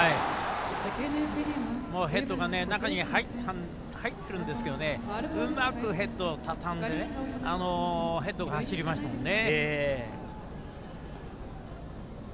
ヘッドが中に入ってるんですけどうまくヘッドを畳んでヘッドが走りましたもんね。